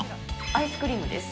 アイスクリームです。